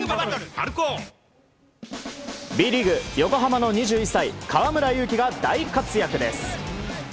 Ｂリーグ、横浜の２１歳河村勇輝が大活躍です。